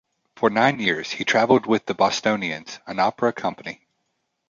For nine years, he traveled with the Bostonians, an opera company.